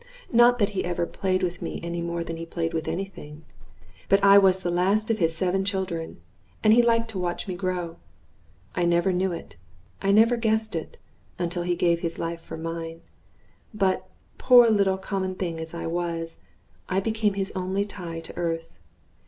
Not that he ever played with me any more than he played with any thing; but I was the last of his seven children, and he liked to watch me grow. I never knew it, I never guessed it, until he gave his life for mine; but, poor little common thing as I was, I became his only tie to earth.